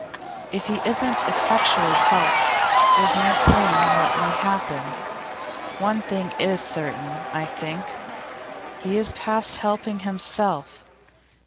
If he isn't effectually helped, there's no saying what may happen. One thing is certain, I think: he is past helping himself.